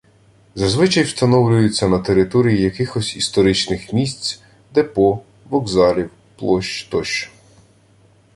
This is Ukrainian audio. Зазвичай встановлюються на території якихось історичних місць, депо, вокзалів, площ тощо.